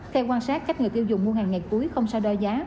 theo quan sát cách người tiêu dùng mua hàng ngày cuối không sao đo giá